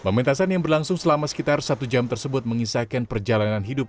pementasan yang berlangsung selama sekitar satu jam tersebut mengisahkan perjalanan hidup